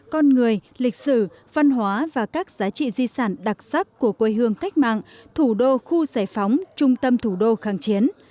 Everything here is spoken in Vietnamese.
con người lịch sử văn hóa và các giá trị di sản đặc sắc của quê hương cách mạng thủ đô khu giải phóng trung tâm thủ đô kháng chiến